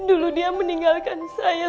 dulu dia meninggalkan saya